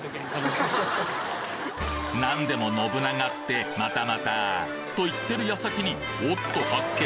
何でも信長ってまたまたと言ってる矢先におっと発見！